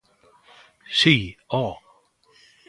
Si, ho!